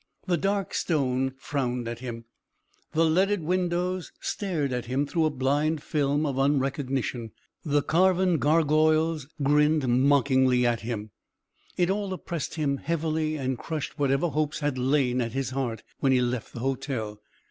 The dark stone frowned at him, the leaded windows stared at him through a blind film of unrecognition, the carven gargoyles grinned mockingly at him. It all oppressed him heavily and crushed whatever hope had lain at his heart when he left the hotel.